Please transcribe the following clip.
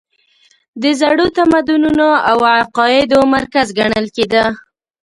د زړو تمدنونو او عقایدو مرکز ګڼل کېده.